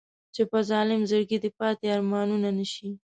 چې په ظالم زړګي دې پاتې ارمانونه نه شي.